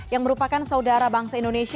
yang merupakan saudara bangsa indonesia